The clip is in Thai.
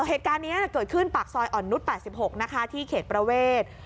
เหตุการณ์นี้เกิดขึ้นปากซอยอ่อนนุษย์๘๖นะคะที่เขตประเวท